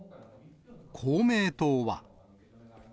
公明党は。